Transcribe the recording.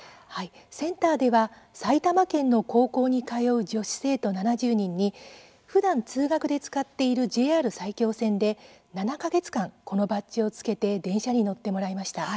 センターでは埼玉県の高校に通う女子生徒７０人にふだん、通学で使っているＪＲ埼京線で、７か月間このバッジをつけて電車に乗ってもらいました。